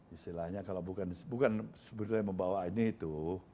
istilahnya kalau bukan bukan sebetulnya membawa anies itu